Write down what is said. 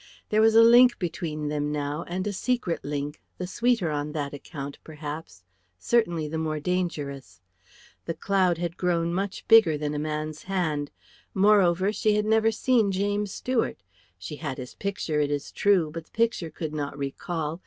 There was a link between them now, and a secret link, the sweeter on that account, perhaps, certainly the more dangerous. The cloud had grown much bigger than a man's hand. Moreover, she had never seen James Stuart; she had his picture, it is true, but the picture could not recall.